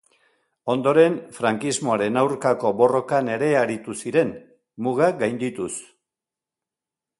Ondoren, frankismoaren aurkako borrokan ere aritu ziren, mugak gaindituz.